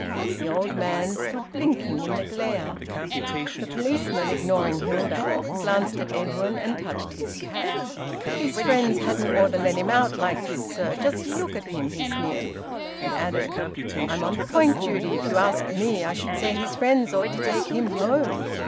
The old man stood blinking in the glare. The policeman, ignoring Hilda, glanced at Edwin, and touched his cap. "His friends hadn't ought to let him out like this, sir. Just look at him." He sneered, and added: "I'm on point duty. If you ask me, I should say his friends ought to take him home."